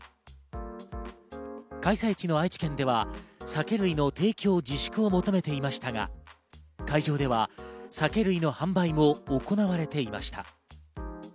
開催地の愛知県では酒類の提供自粛を求めていましたが、会場では酒類の販売も行われていました。